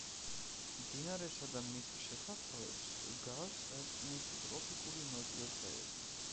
მდინარესა და მის შესართავებს გარს ერტყმის ტროპიკული ნოტიო ტყეები.